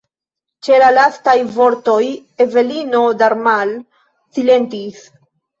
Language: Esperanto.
Ĉe la lastaj vortoj Evelino Darmal silentis.